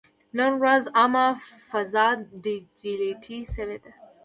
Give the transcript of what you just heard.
نن ورځ عامه فضا ډیجیټلي شوې ده.